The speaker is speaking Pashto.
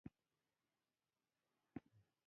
جانانه